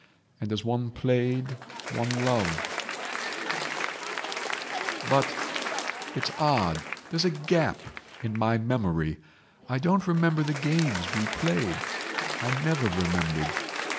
And as one played one loved .... "But—it's odd—there's a gap in my memory. I don't remember the games we played. I never remembered.